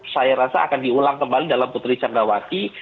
saya rasa akan diulang kembali dalam putri candrawati